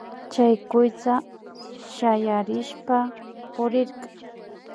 Chay kuytsa shayarishpa purirka